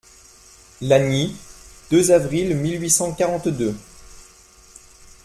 Lagny, deux avril mille huit cent quarante-deux.